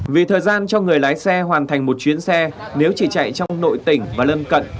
vì thời gian cho người lái xe hoàn thành một chuyến xe nếu chỉ chạy trong nội tỉnh và lân cận